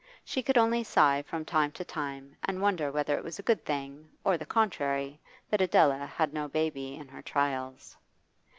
She could only sigh from time to time and wonder whether it was a good thing or the contrary that Adela had no baby in her trials.